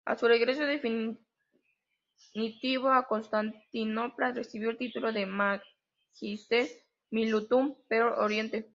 A su regreso definitivo a Constantinopla recibió el título de "magister militum per Oriente".